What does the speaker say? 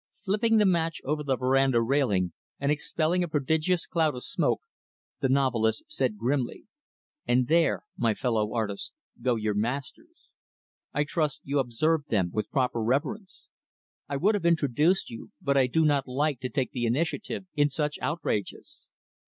Flipping the match over the veranda railing, and expelling a prodigious cloud of smoke, the novelist said grimly, "And there my fellow artist go your masters. I trust you observed them with proper reverence. I would have introduced you, but I do not like to take the initiative in such outrages.